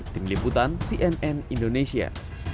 tim liputan cnn indonesia